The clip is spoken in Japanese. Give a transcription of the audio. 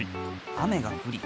雨がふり。